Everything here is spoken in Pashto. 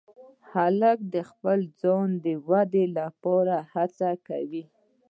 هلک د خپل ځان د ودې لپاره هڅه کوي.